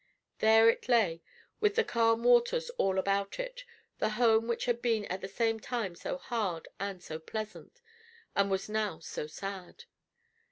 There it lay, with the calm waters all about it, the home which had been at the same time so hard and so pleasant, and was now so sad.